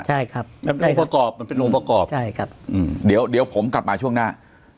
ใช่ครับมันเป็นโรงประกอบเดี๋ยวผมกลับมาช่วงหน้า